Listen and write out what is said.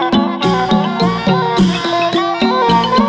กลับมารับทราบ